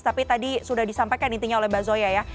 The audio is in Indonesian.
tapi tadi sudah disampaikan intinya oleh mbak zoya ya